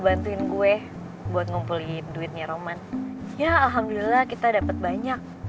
saya berharap terentang kalian